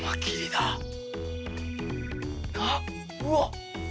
なっうわっ！